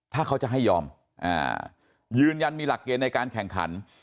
ถ้าเขาจะให้ยอมยืนยันมีหลักเกณฑ์ในการแข่งขัน